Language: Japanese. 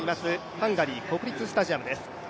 ハンガリー国立スタジアムです。